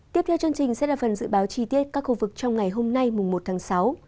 tiếp theo chương trình sẽ là phần dự báo chi tiết các khu vực trong ngày hôm nay mùng một tháng sáu